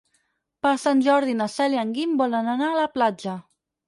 Per Sant Jordi na Cel i en Guim volen anar a la platja.